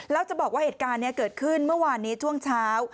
แล้วจะบอกว่าเหตุการณ์นี้เกิดขึ้นเมื่อวานนี้ช่วงเช้า